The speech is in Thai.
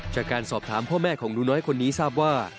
จากการสอบถามพ่อแม่ของหนูน้อยคนนี้ทราบว่า